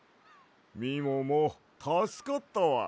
みももたすかったわ。